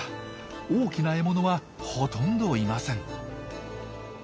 大きな獲物はほとんどいません。